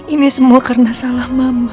ini semua karena salah mama